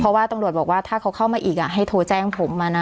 เพราะว่าตำรวจบอกว่าถ้าเขาเข้ามาอีกให้โทรแจ้งผมมานะ